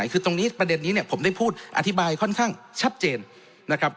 คือประเด็นนี้ผมได้พูดอธิบายค่อนข้างชัดเจน